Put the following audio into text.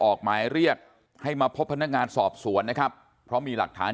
ออกหมายเรียกให้มาพบพนักงานสอบสวนนะครับเพราะมีหลักฐาน